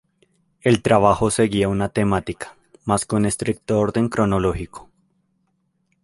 El trabajo seguía una temática, más que un estricto orden cronológico.